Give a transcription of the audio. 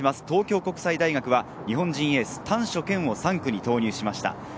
東京国際大学は日本人エース・丹所健を３区に投入しました。